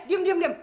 diam diam diam